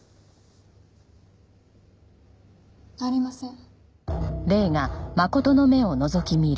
ありません。